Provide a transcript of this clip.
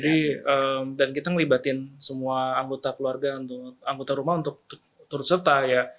dan kita melibatkan semua anggota keluarga anggota rumah untuk turut serta